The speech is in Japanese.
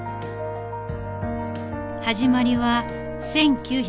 始まりは１９９０年。